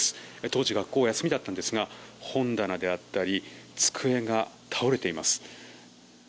当時、学校は休みだったんですが本棚であったり机が倒れています。